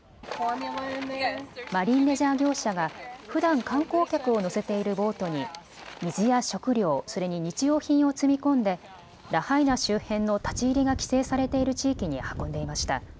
マリンレジャー業者がふだん観光客を乗せているボートに水や食料、それに日用品を積み込んでラハイナ周辺の立ち入りが規制されている地域に運んでいました。